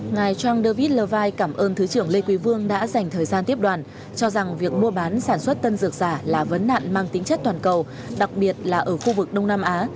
ngài chang david leva cảm ơn thứ trưởng lê quý vương đã dành thời gian tiếp đoàn cho rằng việc mua bán sản xuất tân dược giả là vấn nạn mang tính chất toàn cầu đặc biệt là ở khu vực đông nam á